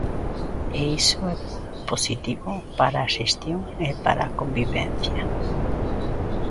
E iso é positivo para a xestión e para a convivencia.